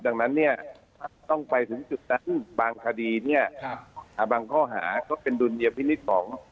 ดังนั้นเนี่ยต้องไปถึงจุดนั้นบางคดีเนี่ยบางข้อหาก็เป็นดุลยพินิษฐ์ของ